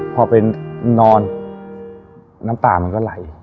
พอเป็นนอนน้ำตามันก็ไหล